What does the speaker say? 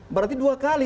berarti dua kali